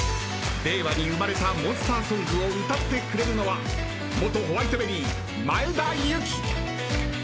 令和に生まれたモンスターソングを歌ってくれるのは元Ｗｈｉｔｅｂｅｒｒｙ前田有嬉！